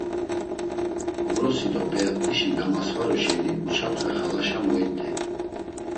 Vrosi do p̌eat̆işi gamasvaru şeni Uçapxe xalaşa moit̆ey.